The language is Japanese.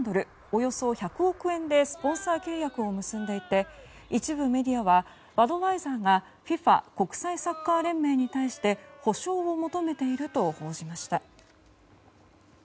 およそ１００億円でスポンサー契約を結んでいて一部メディアはバドワイザーがＦＩＦＡ・国際サッカー連盟に対して補償を求めていると報じました。